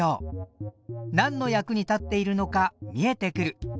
なんの役に立っているのか見えてくる。